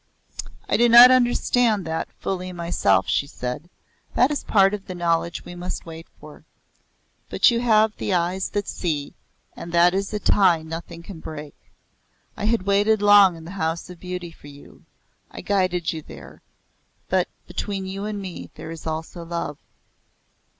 "I do not understand that fully myself," she said "That is part of the knowledge we must wait for. But you have the eyes that see, and that is a tie nothing can break. I had waited long in the House of Beauty for you. I guided you there. But between you and me there is also love."